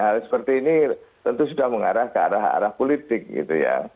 hal seperti ini tentu sudah mengarah ke arah arah politik gitu ya